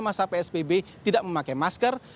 masa psbb tidak memakai masker